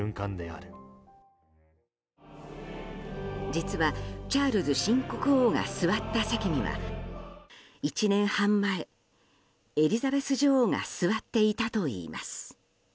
実はチャールズ新国王が座った席には、１年半前エリザベス女王が座っていたといいます。